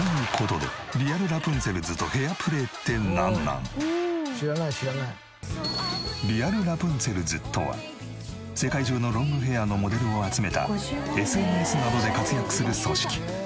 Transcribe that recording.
うわあ俺。という事でリアルラプンツェルズとは世界中のロングヘアのモデルを集めたＳＮＳなどで活躍する組織。